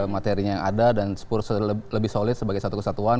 materinya yang ada dan lebih solid sebagai satu kesatuan